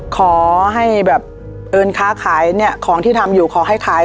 ขอให้แบบเอิญค้าขายเนี่ยของที่ทำอยู่ขอให้ขาย